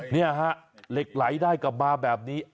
ฮะเหล็กไหลได้กลับมาแบบนี้